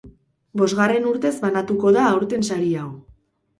Bosgarren urtez banatuko da aurten sari hau.